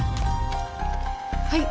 はい。